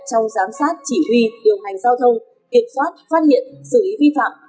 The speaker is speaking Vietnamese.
trong giám sát chỉ huy điều hành giao thông kiểm soát phát hiện xử lý vi phạm